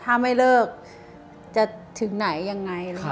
ถ้าไม่เลิกจะถึงไหนยังไง